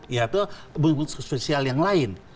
yaitu sosial yang lain